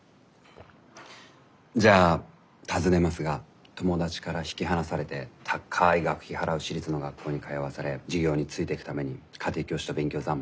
じゃあ尋ねますが友達から引き離されて高い学費払う私立の学校に通わされ授業についていくために家庭教師と勉強三昧。